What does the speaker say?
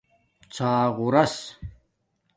ݼاغݸراس